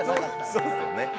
そうですよね。